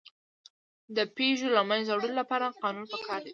د پيژو د له منځه وړلو لپاره قانون پکار دی.